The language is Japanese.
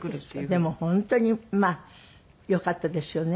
でも本当にまあよかったですよね。